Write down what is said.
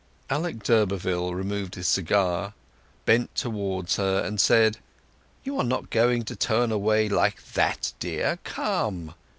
Alec d'Urberville removed his cigar, bent towards her, and said— "You are not going to turn away like that, dear! Come!"